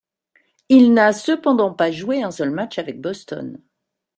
Il n'a cependant pas joué un seul match avec Boston.